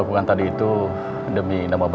kita tapi sebelumnya